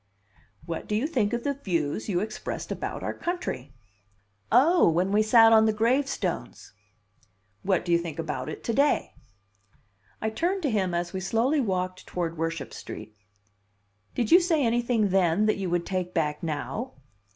"What do you think of the views you expressed about our country?" "Oh! When we sat on the gravestones." "What do you think about it to day?" I turned to him as we slowly walked toward Worship Street. "Did you say anything then that you would take back now?"